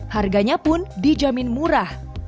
harganya pun dijamin murah